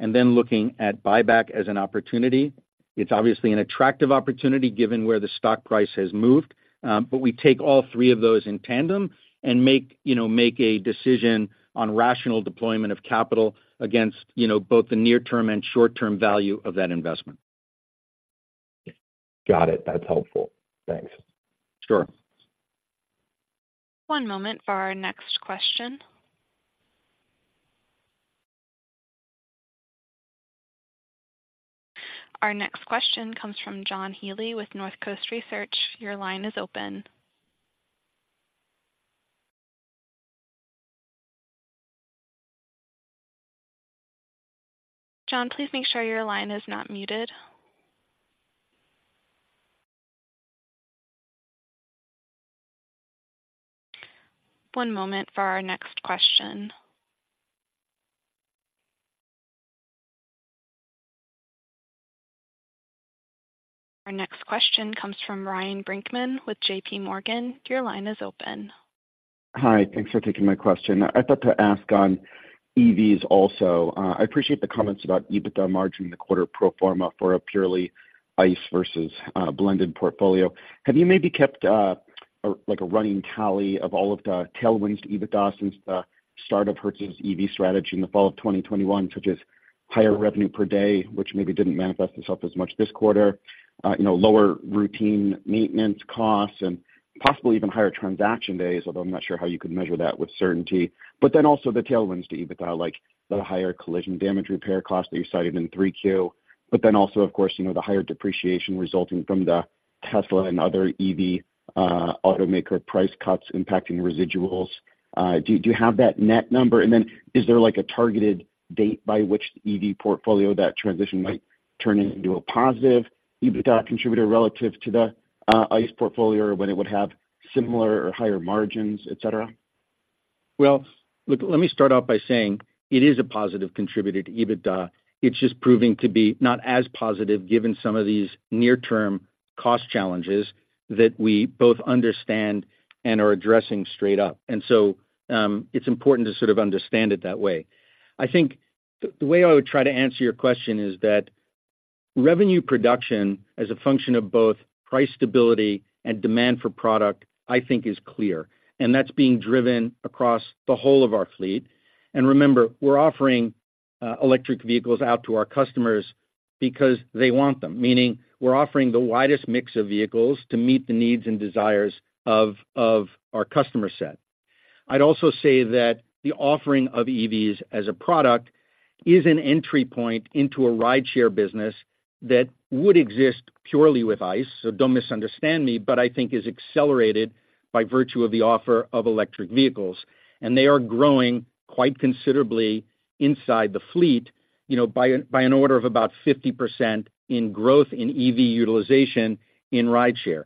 and then looking at buyback as an opportunity. It's obviously an attractive opportunity given where the stock price has moved, but we take all three of those in tandem and make, you know, make a decision on rational deployment of capital against, you know, both the near-term and short-term value of that investment.
Got it. That's helpful. Thanks.
Sure.
One moment for our next question. Our next question comes from John Healy with North Coast Research. Your line is open. John, please make sure your line is not muted. One moment for our next question. Our next question comes from Ryan Brinkman with JP Morgan. Your line is open.
Hi, thanks for taking my question. I thought to ask on EVs also. I appreciate the comments about EBITDA margin in the quarter pro forma for a purely ICE versus blended portfolio. Have you maybe kept a like a running tally of all of the tailwinds to EBITDA since the start of Hertz's EV strategy in the fall of 2021, such as higher revenue per day, which maybe didn't manifest itself as much this quarter, you know, lower routine maintenance costs and possibly even higher transaction days, although I'm not sure how you could measure that with certainty. But then also the tailwinds to EBITDA, like the higher collision damage repair costs that you cited in Q3. But then also, of course, you know, the higher depreciation resulting from the Tesla and other EV automaker price cuts impacting residuals. Do you have that net number? And then is there like a targeted date by which the EV portfolio, that transition might turn into a positive EBITDA contributor relative to the ICE portfolio, when it would have similar or higher margins, et cetera?
Well, look, let me start off by saying it is a positive contributor to EBITDA. It's just proving to be not as positive, given some of these near-term cost challenges that we both understand and are addressing straight up. And so, it's important to sort of understand it that way. I think the way I would try to answer your question is that revenue production as a function of both price stability and demand for product, I think is clear, and that's being driven across the whole of our fleet. And remember, we're offering electric vehicles out to our customers because they want them, meaning we're offering the widest mix of vehicles to meet the needs and desires of our customer set. I'd also say that the offering of EVs as a product is an entry point into a rideshare business that would exist purely with ICE. So don't misunderstand me, but I think is accelerated by virtue of the offer of electric vehicles, and they are growing quite considerably inside the fleet, you know, by an order of about 50% in growth in EV utilization in rideshare.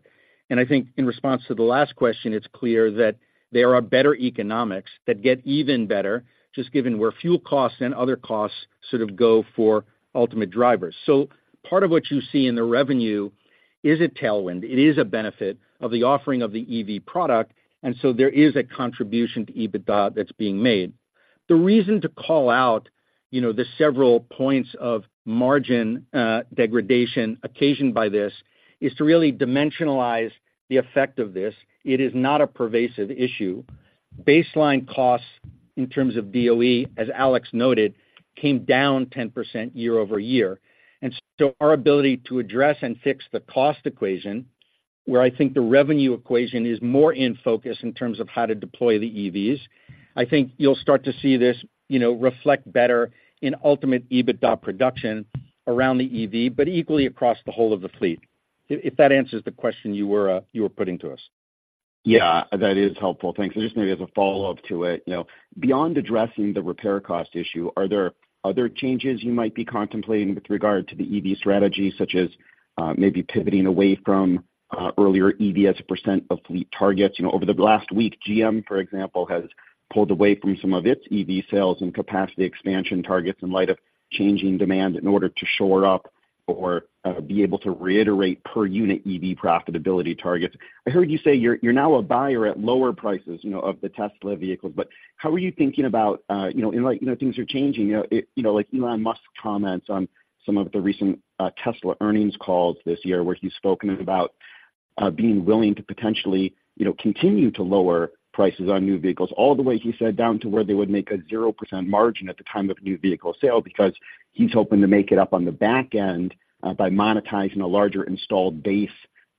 And I think in response to the last question, it's clear that there are better economics that get even better, just given where fuel costs and other costs sort of go for ultimate drivers. So part of what you see in the revenue is a tailwind. It is a benefit of the offering of the EV product, and so there is a contribution to EBITDA that's being made. The reason to call out, you know, the several points of margin degradation occasioned by this is to really dimensionalize the effect of this. It is not a pervasive issue. Baseline costs, in terms of DOE, as Alex noted, came down 10% year-over-year. So our ability to address and fix the cost equation, where I think the revenue equation is more in focus in terms of how to deploy the EVs, I think you'll start to see this, you know, reflect better in ultimate EBITDA production around the EV, but equally across the whole of the fleet. If that answers the question you were, you were putting to us.
Yeah, that is helpful. Thanks. So just maybe as a follow-up to it, you know, beyond addressing the repair cost issue, are there other changes you might be contemplating with regard to the EV strategy, such as, maybe pivoting away from, earlier EV as a percent of fleet targets? You know, over the last week, GM, for example, has pulled away from some of its EV sales and capacity expansion targets in light of changing demand in order to shore up or, be able to reiterate per unit EV profitability targets. I heard you say you're now a buyer at lower prices, you know, of the Tesla vehicles. But how are you thinking about, you know, in light... You know, things are changing. You know, you know, like Elon Musk comments on some of the recent, Tesla earnings calls this year, where he's spoken about, being willing to potentially, you know, continue to lower prices on new vehicles, all the way, he said, down to where they would make a 0% margin at the time of new vehicle sale, because he's hoping to make it up on the back end, by monetizing a larger installed base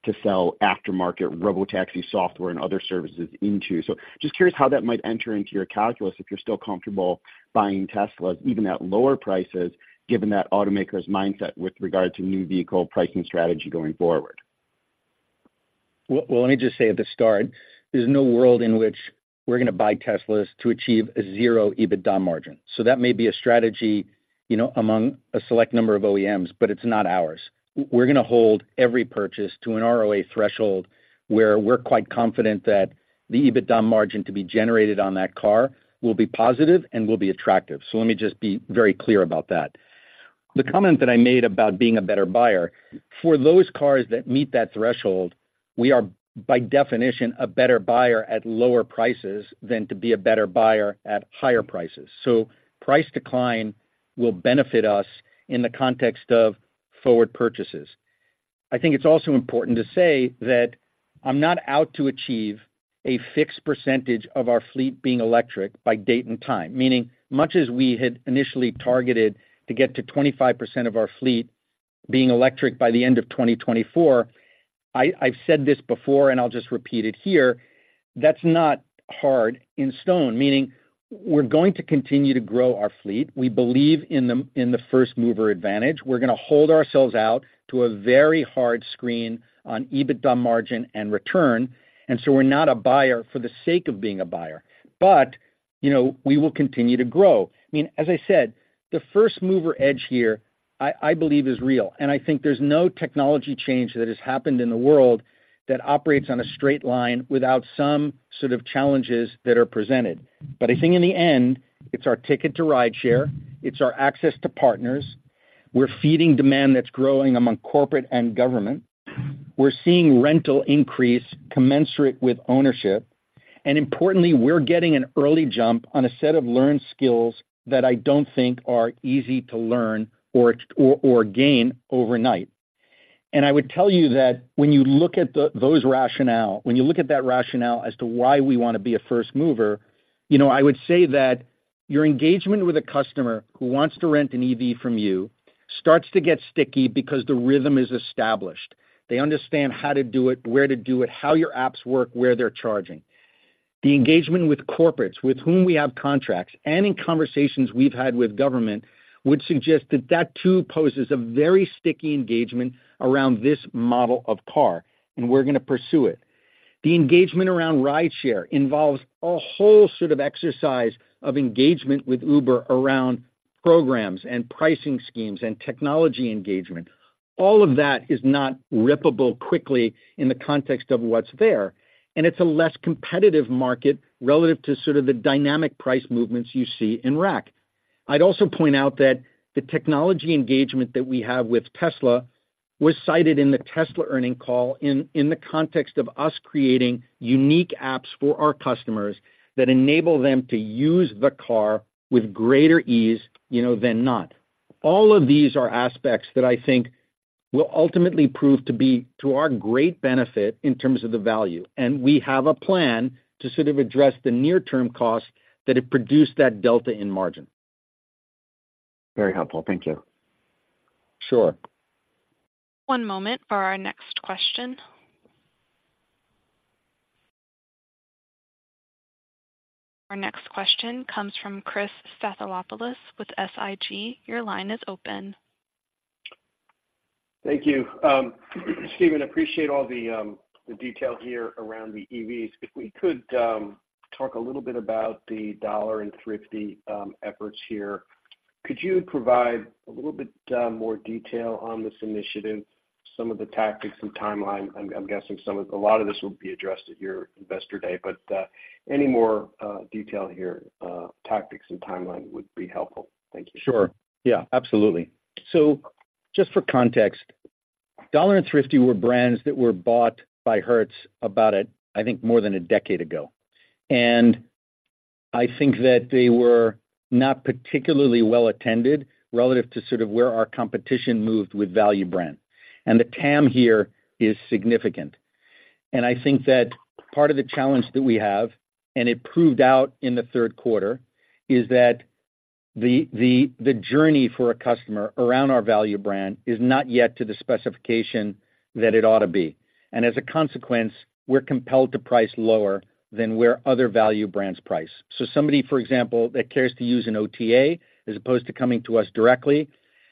to sell aftermarket robotaxi software and other services into. So just curious how that might enter into your calculus, if you're still comfortable buying Teslas, even at lower prices, given that automaker's mindset with regard to new vehicle pricing strategy going forward.
Well, well, let me just say at the start, there's no world in which we're going to buy Teslas to achieve a zero EBITDA margin. So that may be a strategy, you know, among a select number of OEMs, but it's not ours. We're going to hold every purchase to an ROA threshold, where we're quite confident that the EBITDA margin to be generated on that car will be positive and will be attractive. So let me just be very clear about that. The comment that I made about being a better buyer, for those cars that meet that threshold, we are, by definition, a better buyer at lower prices than to be a better buyer at higher prices. So price decline will benefit us in the context of forward purchases. I think it's also important to say that I'm not out to achieve a fixed percentage of our fleet being electric by date and time. Meaning, much as we had initially targeted to get to 25% of our fleet being electric by the end of 2024, I've said this before, and I'll just repeat it here, that's not set in stone. Meaning, we're going to continue to grow our fleet. We believe in the first mover advantage. We're going to hold ourselves out to a very hard screen on EBITDA margin and return. And so we're not a buyer for the sake of being a buyer. But, you know, we will continue to grow. I mean, as I said, the first mover edge here, I believe is real, and I think there's no technology change that has happened in the world that operates on a straight line without some sort of challenges that are presented. But I think in the end, it's our ticket to rideshare, it's our access to partners. We're feeding demand that's growing among corporate and government. We're seeing rental increase commensurate with ownership, and importantly, we're getting an early jump on a set of learned skills that I don't think are easy to learn or gain overnight. I would tell you that when you look at the rationale, when you look at that rationale as to why we want to be a first mover, you know, I would say that your engagement with a customer who wants to rent an EV from you starts to get sticky because the rhythm is established. They understand how to do it, where to do it, how your apps work, where they're charging... The engagement with corporates with whom we have contracts, and in conversations we've had with government, would suggest that that too poses a very sticky engagement around this model of car, and we're gonna pursue it. The engagement around rideshare involves a whole sort of exercise of engagement with Uber around programs and pricing schemes and technology engagement. All of that is not rippable quickly in the context of what's there, and it's a less competitive market relative to sort of the dynamic price movements you see in RAC. I'd also point out that the technology engagement that we have with Tesla was cited in the Tesla earnings call in the context of us creating unique apps for our customers that enable them to use the car with greater ease, you know, than not. All of these are aspects that I think will ultimately prove to be to our great benefit in terms of the value, and we have a plan to sort of address the near-term costs that have produced that delta in margin.
Very helpful. Thank you.
Sure.
One moment for our next question. Our next question comes from Chris Stathoulopoulos with SIG. Your line is open.
Thank you. Stephen, appreciate all the, the detail here around the EVs. If we could, talk a little bit about the Dollar and Thrifty, efforts here. Could you provide a little bit, more detail on this initiative, some of the tactics and timeline? I'm, I'm guessing some of... A lot of this will be addressed at your investor day, but, any more, detail here, tactics and timeline would be helpful. Thank you.
Sure. Yeah, absolutely. So just for context, Dollar and Thrifty were brands that were bought by Hertz about, I think, more than a decade ago. And I think that they were not particularly well attended relative to sort of where our competition moved with value brand, and the TAM here is significant. And I think that part of the challenge that we have, and it proved out in the third quarter, is that the journey for a customer around our value brand is not yet to the specification that it ought to be. And as a consequence, we're compelled to price lower than where other value brands price. So somebody, for example, that cares to use an OTA as opposed to coming to us directly,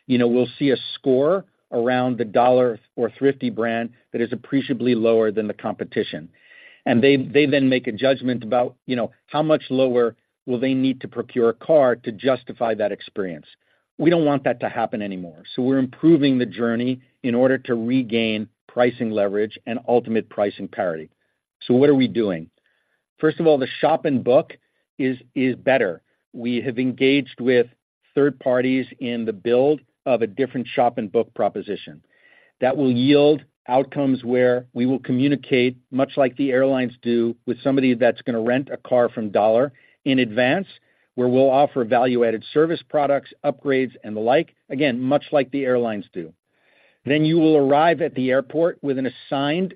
you know, will see a score around the Dollar or Thrifty brand that is appreciably lower than the competition. They then make a judgment about, you know, how much lower will they need to procure a car to justify that experience. We don't want that to happen anymore, so we're improving the journey in order to regain pricing leverage and ultimate pricing parity. What are we doing? First of all, the shop and book is better. We have engaged with third parties in the build of a different shop and book proposition that will yield outcomes where we will communicate, much like the airlines do, with somebody that's gonna rent a car from Dollar in advance, where we'll offer value-added service products, upgrades, and the like, again, much like the airlines do. Then you will arrive at the airport with an assigned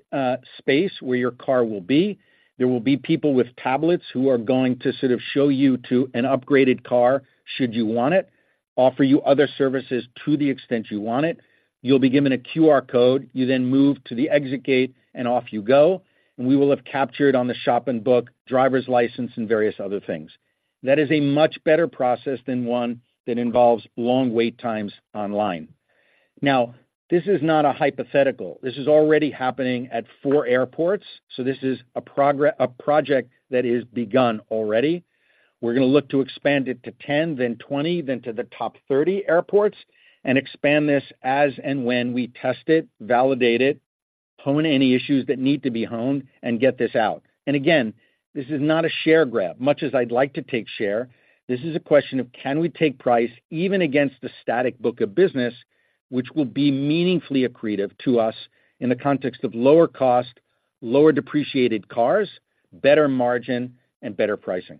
space where your car will be. There will be people with tablets who are going to sort of show you to an upgraded car, should you want it, offer you other services to the extent you want it. You'll be given a QR code. You then move to the exit gate, and off you go, and we will have captured on the shop and book, driver's license and various other things. That is a much better process than one that involves long wait times online. Now, this is not a hypothetical. This is already happening at 4 airports, so this is a project that is begun already. We're gonna look to expand it to 10, then 20, then to the top 30 airports and expand this as and when we test it, validate it, hone any issues that need to be honed, and get this out. And again, this is not a share grab. Much as I'd like to take share, this is a question of can we take price even against the static book of business, which will be meaningfully accretive to us in the context of lower cost, lower depreciated cars, better margin, and better pricing.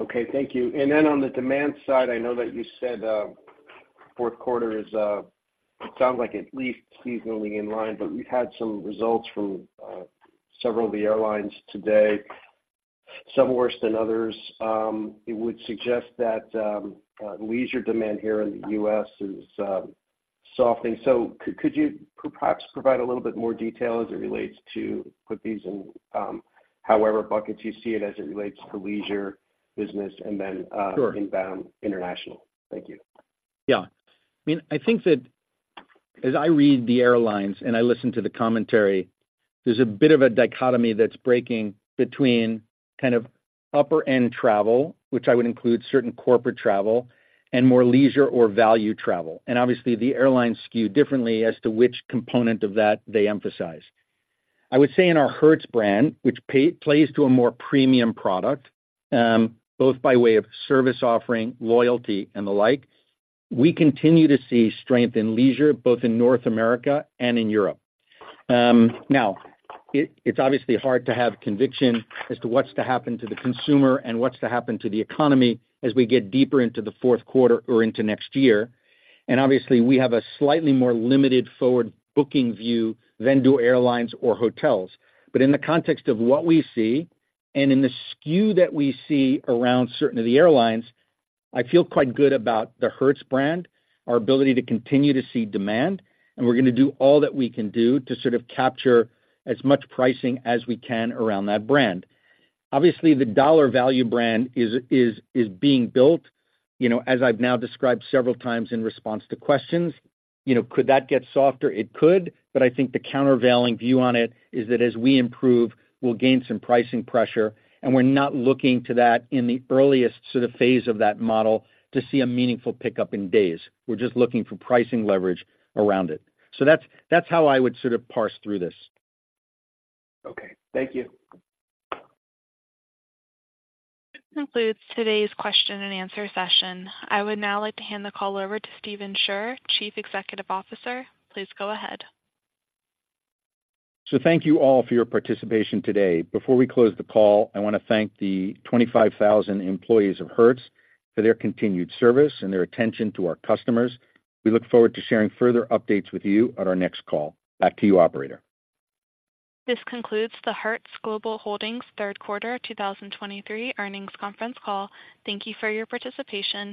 Okay. Thank you. And then on the demand side, I know that you said fourth quarter is it sounds like at least seasonally in line, but we've had some results from several of the airlines today, some worse than others. It would suggest that leisure demand here in the US is softening. So could you perhaps provide a little bit more detail as it relates to put these in however buckets you see it as it relates to leisure, business, and then.
Sure...
inbound international? Thank you.
Yeah. I mean, I think that as I read the airlines and I listen to the commentary, there's a bit of a dichotomy that's breaking between kind of upper-end travel, which I would include certain corporate travel, and more leisure or value travel. Obviously, the airlines skew differently as to which component of that they emphasize. I would say in our Hertz brand, which plays to a more premium product, both by way of service offering, loyalty, and the like, we continue to see strength in leisure, both in North America and in Europe. Now, it's obviously hard to have conviction as to what's to happen to the consumer and what's to happen to the economy as we get deeper into the fourth quarter or into next year. Obviously, we have a slightly more limited forward booking view than do airlines or hotels. In the context of what we see and in the skew that we see around certain of the airlines, I feel quite good about the Hertz brand, our ability to continue to see demand, and we're gonna do all that we can do to sort of capture as much pricing as we can around that brand. Obviously, the Dollar value brand is being built. You know, as I've now described several times in response to questions, you know, could that get softer? It could, but I think the countervailing view on it is that as we improve, we'll gain some pricing pressure, and we're not looking to that in the earliest sort of phase of that model to see a meaningful pickup in days. We're just looking for pricing leverage around it. That's how I would sort of parse through this.
Okay. Thank you.
This concludes today's question and answer session. I would now like to hand the call over to Stephen Scherr, Chief Executive Officer. Please go ahead.
Thank you all for your participation today. Before we close the call, I wanna thank the 25,000 employees of Hertz for their continued service and their attention to our customers. We look forward to sharing further updates with you on our next call. Back to you, Operator.
This concludes the Hertz Global Holdings Third Quarter 2023 Earnings Conference Call. Thank you for your participation.